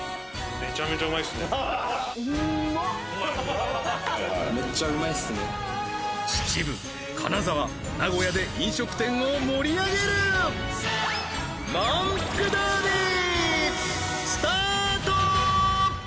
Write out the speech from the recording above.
めっちゃうまいっすね秩父・金沢・名古屋で飲食店を盛り上げる！スタート！